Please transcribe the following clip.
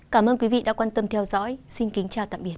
cảm ơn quý vị đã quan tâm theo dõi xin kính chào tạm biệt